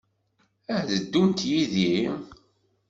Ad d-ddunt yid-i?